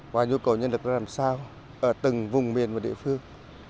và nhu cầu nhân lực nó làm sao ở từng vùng miền và địa phương